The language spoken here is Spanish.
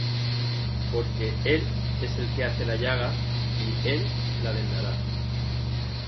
Porque él es el que hace la llaga, y él la vendará: